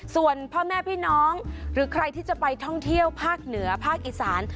ส่วนพ่อแม่พี่น้องหรือใครที่จะไปท่องเที่ยวภาคเหนือภาคอีสาน